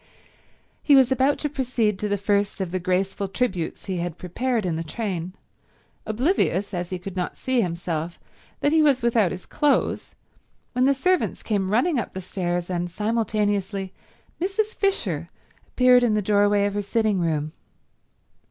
He was about to proceed to the first of the graceful tributes he had prepared in the train, oblivious, as he could not see himself, that he was without his clothes, when the servants came running up the stairs and, simultaneously, Mrs. Fisher appeared in the doorway of her sitting room.